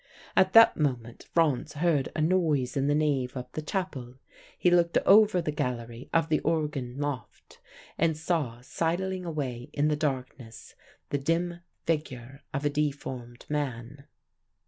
"At that moment Franz heard a noise in the nave of the chapel; he looked over the gallery of the organ loft, and saw sidling away in the darkness the dim figure of a deformed man.